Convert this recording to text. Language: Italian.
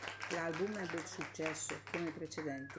L'album ebbe successo, come i precedenti.